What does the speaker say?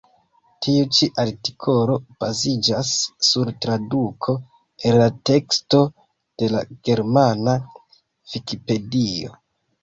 Tiu ĉi artikolo baziĝas sur traduko el la teksto de la germana vikipedio.